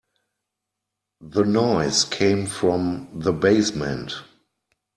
The noise came from the basement.